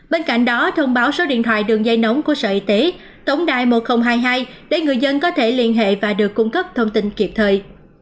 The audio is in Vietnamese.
bên cạnh đó thông báo số điện thoại đường dây nóng của sở y tế tổng đài một nghìn hai mươi hai để người dân có thể liên hệ và được cung cấp thông tin kịp thời